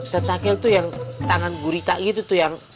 tentakel tuh yang tangan gurita gitu tuh yang